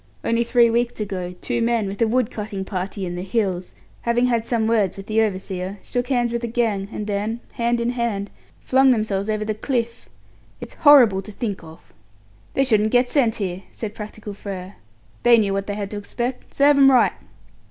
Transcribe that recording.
Only three weeks ago, two men, with a wood cutting party in the hills, having had some words with the overseer, shook hands with the gang, and then, hand in hand, flung themselves over the cliff. It's horrible to think of!" "They shouldn't get sent here," said practical Frere. "They knew what they had to expect. Serve 'em right."